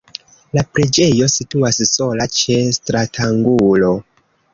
La preĝejo situas sola ĉe stratangulo.